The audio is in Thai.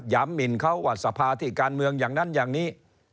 หมินเขาว่าสภาที่การเมืองอย่างนั้นอย่างนี้